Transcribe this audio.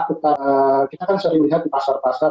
kita kan sering lihat di pasar pasar